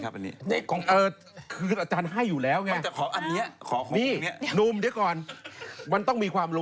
ผมเนี่ยจะขอเรียนบูชาได้ไหมครับอันนี้